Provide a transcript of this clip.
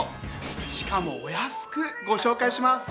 しかもお安くご紹介します。